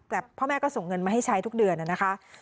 แต่พ่อแม่ก็ส่งเงินมาให้ใช้ทุกเดือนนะคะ